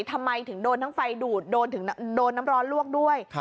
ทำไมถึงโดนทั้งไฟดูดโดนน้ำร้อนลวกด้วย